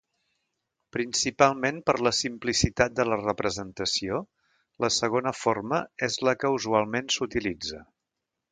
Principalment per la simplicitat de la representació, la segona forma és la que usualment s'utilitza.